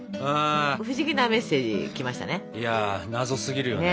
不思議なメッセージ来ましたね。